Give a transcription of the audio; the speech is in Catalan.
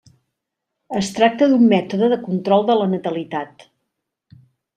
Es tracta d'un mètode de control de la natalitat.